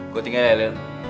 gue tinggal ya liel